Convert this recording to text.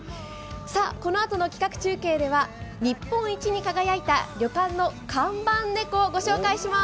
このあとの企画中継では日本一に輝いた旅館の看板猫をご紹介します。